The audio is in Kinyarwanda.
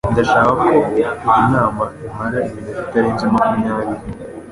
Ndashaka ko iyi nama imara iminota itarenze makumyabiri